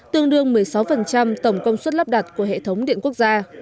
tương đương một mươi sáu tổng công suất lắp đặt của hệ thống điện quốc gia